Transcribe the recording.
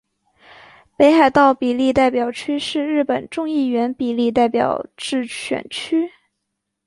北海道比例代表区是日本众议院比例代表制选区。